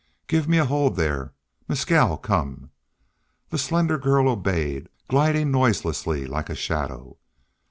Give me a hold there.... Mescal, come." The slender girl obeyed, gliding noiselessly like a shadow.